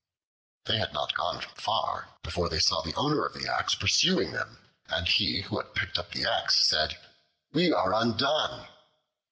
They had not gone far before they saw the owner of the axe pursuing them, and he who had picked up the axe said, "We are undone."